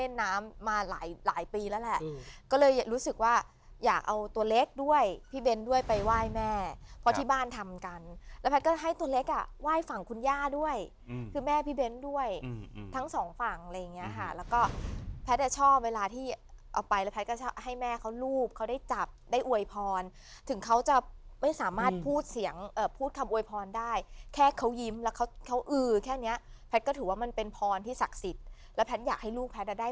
ทำกันแล้วแพทย์ก็ให้ตัวเล็กอ่ะไหว้ฝั่งคุณย่าด้วยคือแม่พี่เบ้นด้วยทั้งสองฝั่งอะไรเงี้ยค่ะแล้วก็แพทย์ชอบเวลาที่เอาไปแล้วแพทย์ก็ชอบให้แม่เขารูปเขาได้จับได้อวยพรถึงเขาจะไม่สามารถพูดเสียงพูดคำอวยพรได้แค่เขายิ้มแล้วเขาเขาเออแค่เนี้ยแพทย์ก็ถือว่ามันเป็นพรที่ศักดิ์สิทธิ์